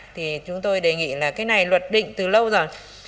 thì chúng tôi đề nghị là cái này luật định từ lâu rồi